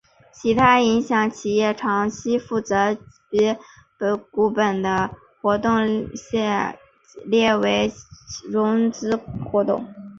其他影响企业长期负债及股本的活动亦列为融资活动。